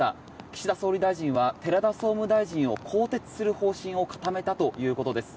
岸田総理大臣は寺田総務大臣を更迭する方針を固めたということです。